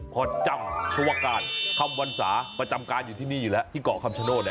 พอจำเชื่อการคำวันศาประจำการอยู่ที่นี่อยู่แล้วที่ก่อค่ำโชโน่น่ะ